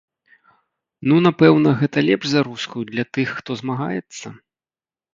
Ну напэўна, гэта лепш за рускую для тых, хто змагаецца?